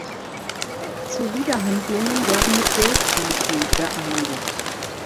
Zuwiderhandlungen werden mit Geldbußen geahndet.